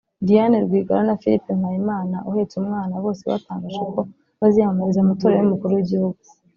Diane Rwigara na Philipe Mpayimana (uhetse umwana) bose batangaje ko baziyamamariza amatora y’Umukuru w’Igihugu